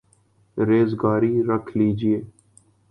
ریزگاری رکھ لیجئے